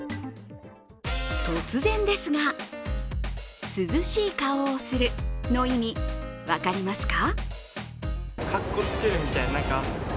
突然ですが、涼しい顔をするの意味、分かりますか？